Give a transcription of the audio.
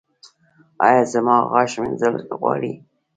ایا زما غاښ مینځل غواړي؟